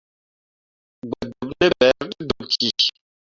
Gbǝ dǝb ne ɓerri te dǝɓ ki.